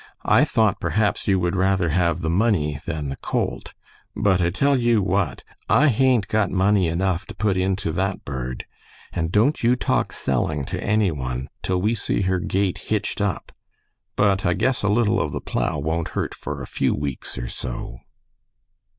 "I thought perhaps you would rather have the money than the colt; but I tell you what, I hain't got money enough to put into that bird, and don't you talk selling to any one till we see her gait hitched up. But I guess a little of the plow won't hurt for a few weeks or so."